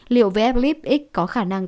liệu v lib x có khả năng